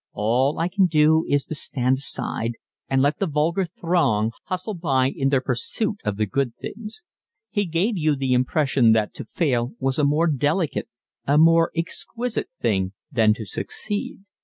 All I can do is to stand aside and let the vulgar throng hustle by in their pursuit of the good things." He gave you the impression that to fail was a more delicate, a more exquisite thing, than to succeed.